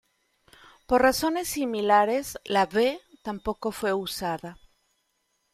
Por razones similares la "V" tampoco fue usada.